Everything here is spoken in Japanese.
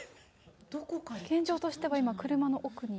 現状としては今、車の奥に。